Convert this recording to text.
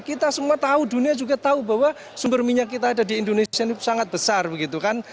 kita semua tahu dunia juga tahu bahwa sumber minyak kita ada di indonesia ini sangat besar begitu kan